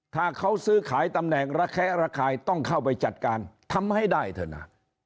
ถ้าเขาซื้อขายตำแหน่งระแคะระคายต้องเข้าไปจัดการทำให้ได้เถอะนะ